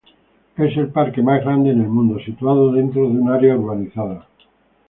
Es el parque más grande en el mundo situado dentro de un área urbanizada.